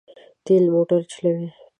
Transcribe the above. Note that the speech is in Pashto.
تېل موټر چلوي.